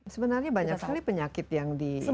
sebenarnya banyak sekali penyakit yang di